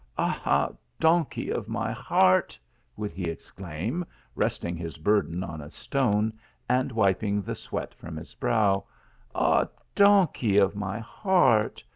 " Ah donkey of my heart !" would he exclaim, resting his burden on a stone, and wiping the sweat from his brow, " Ah donkey of my heart